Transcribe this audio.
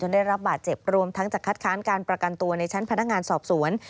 ได้รับบาดเจ็บรวมทั้งจะคัดค้านการประกันตัวในชั้นพนักงานสอบสวน